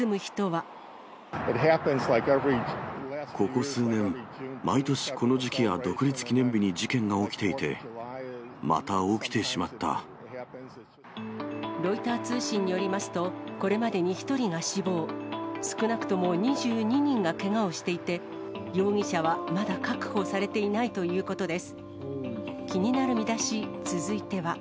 ここ数年、毎年この時期や独立記念日に事件が起きていて、また起きてしまっロイター通信によりますと、これまでに１人が死亡、少なくとも２２人がけがをしていて、容疑者はまだ確保されていないということです。